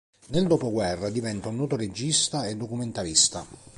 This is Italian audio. Nel dopoguerra diventa un noto regista e documentarista.